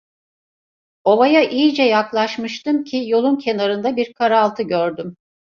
Ovaya iyice yaklaşmıştım ki, yolun kenarında bir karaltı gördüm.